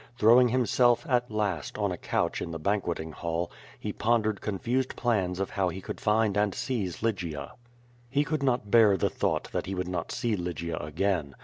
Throwing himself, at last, on a couch in the banqueting hall, he pondered con fused plans of how he could find and seize Lygia. He could not bear the thought that he would not see Lygia again.